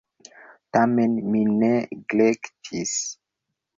Tamen mi neglektis.